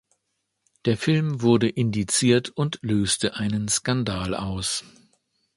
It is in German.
Der Film wurde indiziert und löste einen Skandal aus.